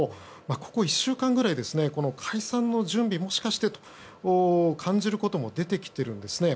ここ１週間ぐらいこの解散の準備がもしかしてと感じることも出てきているんですね。